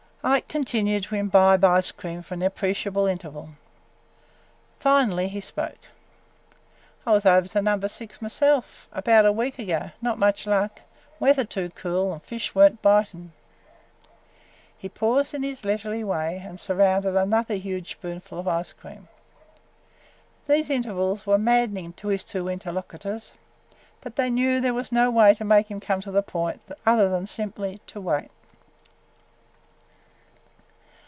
Ike continued to imbibe ice cream for an appreciable interval. Finally he spoke. "I was over to Number Six myself – 'bout a week ago. Not much luck. Weather too cool and fish were n't bitin'." He paused in his leisurely way and surrounded another huge spoonful of ice cream. These intervals were maddening to his two interlocutors, but they knew there was no way to make him come to the point other than simply – to wait!